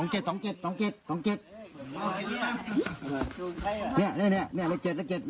เจอใครล่ะ